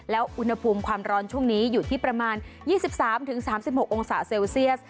แล้วอุณหภูมิความร้อนช่วงนี้อยู่ที่ประมาณ๒๓๓๖องศาเซลเซียส